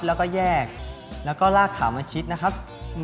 ๑แล้วก็ลากขามาชิดนะครับ